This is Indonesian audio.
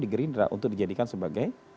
di gerindra untuk dijadikan sebagai